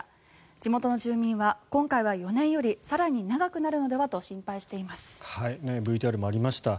地元の住民は今回は４年より更に長くなるのではとＶＴＲにもありました。